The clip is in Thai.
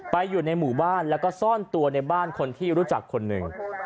อยู่ในหมู่บ้านแล้วก็ซ่อนตัวในบ้านคนที่รู้จักคนหนึ่ง